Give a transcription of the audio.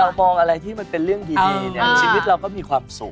มองอะไรที่มันเป็นเรื่องดีเนี่ยชีวิตเราก็มีความสุข